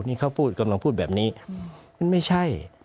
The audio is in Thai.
นี่เขากำลังพูดแบบนี้ไม่ใช่